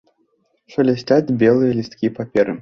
Шалясцяць белыя лісткі паперы.